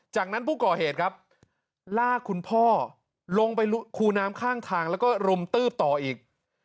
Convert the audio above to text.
จากนั้นผู้ก่อเหตุครับลากคุณพ่อลงไปคูน้ำข้างทางแล้วก็รุมตืบต่ออีก